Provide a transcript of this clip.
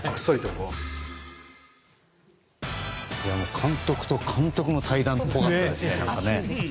監督と監督の対談っぽかったですね。